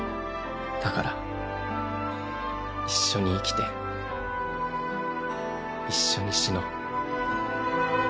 だから一緒に生きて一緒に死のう。